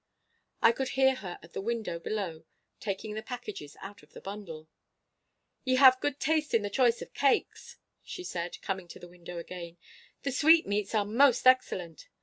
I could hear her at the window below taking the packages out of the bundle. 'Ye have good taste in the choice of cakes!' she said, coming to the window again. 'The sweetmeats are most excellent.